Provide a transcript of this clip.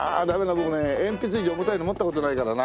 僕ね鉛筆以上重たいの持った事ないからな。